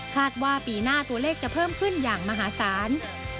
ว่าปีหน้าตัวเลขจะเพิ่มขึ้นอย่างมหาศาล